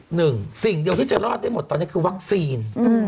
หนึ่งสิ่งเดียวที่จะรอดได้หมดตอนนี้คือวัคซีน